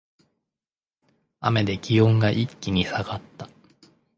雨で気温が一気に下がった